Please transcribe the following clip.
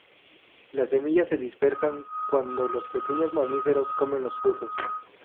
Las semillas se dispersan cuando los pequeños mamíferos comen los frutos.